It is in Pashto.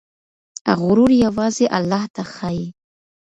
غرور يوازې الله ته ښايي.